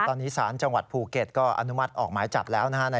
ตอนนี้สารจังหวัดภูเก็ตก็อนุมัติออกหมายจับแล้วนะฮะ